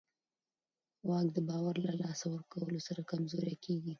واک د باور له لاسه ورکولو سره کمزوری کېږي.